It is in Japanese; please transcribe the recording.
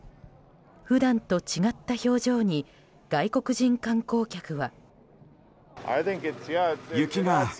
普段と違った表情に外国人観光客は。